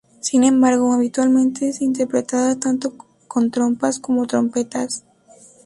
Sin embargo, habitualmente, se interpretada tanto con trompas como trompetas.